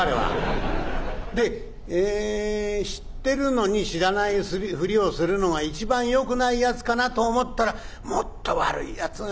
で知ってるのに知らないふりをするのが一番よくない奴かなと思ったらもっと悪い奴がいたんですなぁ